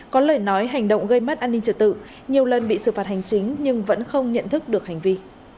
có lời nói hành động gây mất an ninh trật tự nhiều lần bị xử phạt hành chính nhưng vẫn không nhận thức được hành vi